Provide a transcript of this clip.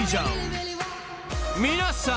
［皆さん。